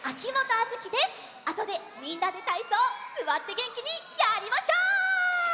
あとでみんなでたいそうすわってげんきにやりましょう！